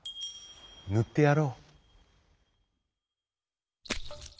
ぬってやろう」。